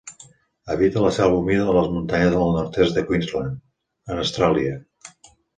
Habita la selva humida de les muntanyes del nord-est de Queensland, en Austràlia.